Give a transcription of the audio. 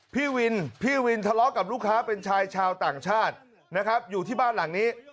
พี่วินทะเลาะกับลูกค้าเป็นชายชาวต่างชาติอยู่ที่บ้านหลังนี้